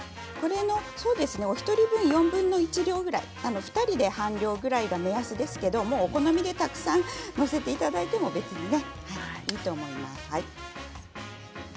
お一人分４分の１量くらい２人で半量ぐらいが目安ですけれどもお好みでたくさん載せていただいても別にいいと思います。